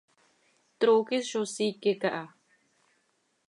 Trooqui zo siique caha.